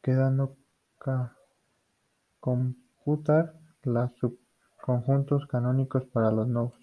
Quedando computar los subconjuntos canónicos para los nodos.